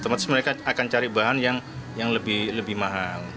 otomatis mereka akan cari bahan yang lebih mahal